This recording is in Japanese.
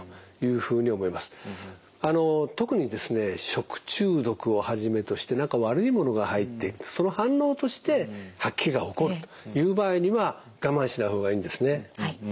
食中毒をはじめとして何か悪いものが入っていってその反応として吐き気が起こるという場合には我慢しない方がいいんですね。